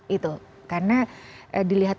itu karena dilihat